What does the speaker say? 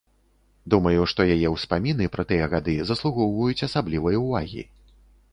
Думаю, што яе ўспаміны пра тыя гады заслугоўваюць асаблівай увагі.